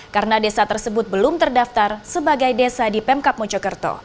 karena desa tersebut belum terdaftar sebagai desa di pemkap mojokerto